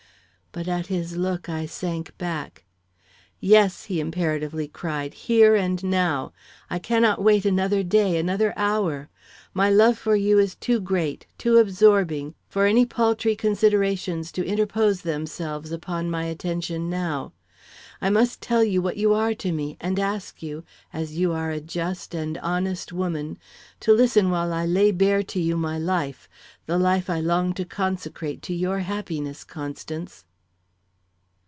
But at his look I sank back. "Yes," he imperatively cried, "here and now. I cannot wait another day, another hour. My love for you is too great, too absorbing, for any paltry considerations to interpose themselves upon my attention now. I must tell you what you are to me, and ask you, as you are a just and honest woman, to listen while I lay bare to you my life the life I long to consecrate to your happiness, Constance."